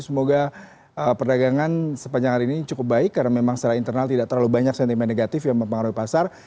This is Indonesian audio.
semoga perdagangan sepanjang hari ini cukup baik karena memang secara internal tidak terlalu banyak sentimen negatif yang mempengaruhi pasar